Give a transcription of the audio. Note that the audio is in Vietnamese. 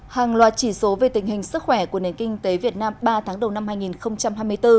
hàng loạt chỉ số về tình hình sức khỏe của nền kinh tế việt nam ba tháng đầu năm hai nghìn hai mươi bốn